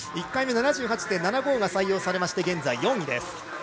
１回目、７８．７５が採用されて現在４位です。